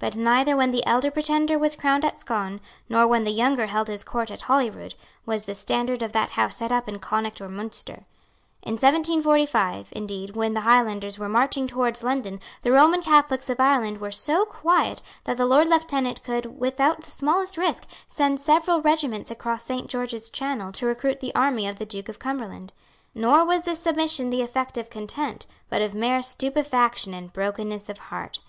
But neither when the elder Pretender was crowned at Scone, nor when the younger held his court at Holyrood, was the standard of that House set up in Connaught or Munster. In 1745, indeed, when the Highlanders were marching towards London, the Roman Catholics of Ireland were so quiet that the Lord Lieutenant could, without the smallest risk, send several regiments across Saint George's Channel to recruit the army of the Duke of Cumberland. Nor was this submission the effect of content, but of mere stupefaction and brokenness of heart.